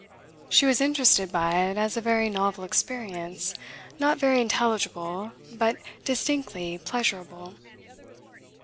She was interested by it as a very novel experience, not very intelligible, but distinctly pleasurable.